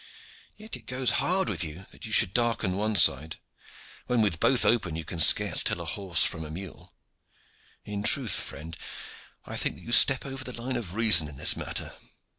Yet it goes hard with you that you should darken one side, when with both open you can scarce tell a horse from a mule. In truth, friend, I think that you step over the line of reason in this matter."